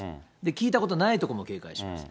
聞いたことないとこも警戒します。